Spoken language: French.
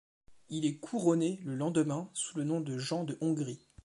Il est couronné le lendemain sous le nom de Jean de Hongrie.